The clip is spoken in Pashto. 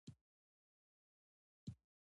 د خوشحال خان ژوند هم تاریخي دی.